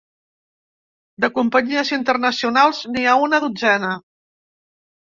De companyies internacionals, n’hi ha una dotzena.